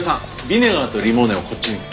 ビネガーとリモーネをこっちに。